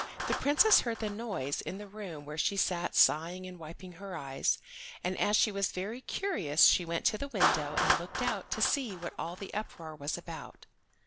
The Princess heard the noise in the room where she sat sighing and wiping her eyes, and as she was very curious she went to the window and looked out to see what all the uproar was about.